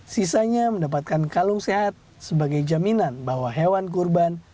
sisanya mendapatkan kalung sehat sebagai jaminan bahwa hewan kurban